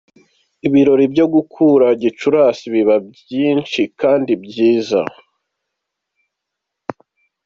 Ibirori byo gukura Gicurasi biba byinshi kandi byiza.